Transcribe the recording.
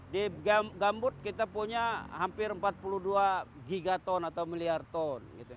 di gambut kita punya hampir empat puluh dua gigaton atau miliar ton